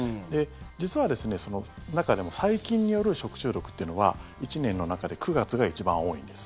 実はですね、その中でも細菌による食中毒ってのは１年の中で９月が一番多いんです。